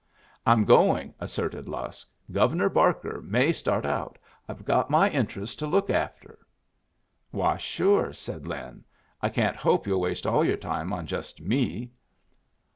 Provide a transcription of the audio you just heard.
"I'm going," asserted Lusk. "Governor Barker may start out. I've got my interests to look after." "Why, sure," said Lin. "I can't hope you'll waste all your time on just me."